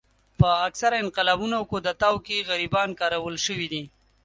په اکثره انقلابونو او کودتاوو کې غریبان کارول شوي دي.